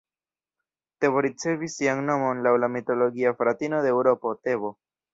Tebo ricevis sian nomon laŭ la mitologia fratino de Eŭropo, Tebo.